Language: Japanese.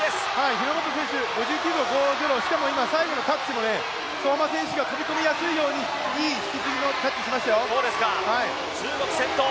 日本選手は５９秒５０最後のタッチも相馬選手が飛び込みやすいようにいい引き継ぎのタッチをしましたよ。